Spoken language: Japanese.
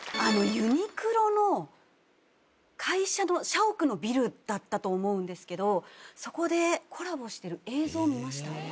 ＵＮＩＱＬＯの会社の社屋のビルだったと思うんですけどそこでコラボしてる映像を見ました